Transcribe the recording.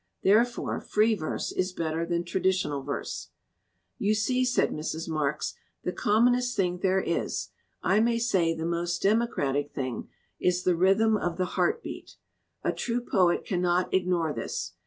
Therefore, free verse is better than traditional verse.' "You see," said Mrs. Marks, "the commonest thing there is, I may say the most democratic 281 LITERATURE IN THE MAKING thing, is the rhythm of the heart beat. A true poet cannot ignore this.